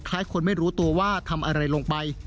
คนไม่รู้ตัวว่าทำอะไรลงไป